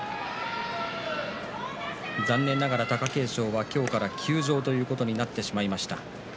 残念ながら貴景勝は今日から休場ということになってしまいました。